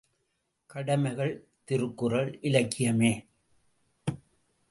கடமைகள் திருக்குறள் இலக்கியமே.